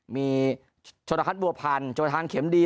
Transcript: มีชนฆัตบัวพันธ์ชนฆัตเข็มดี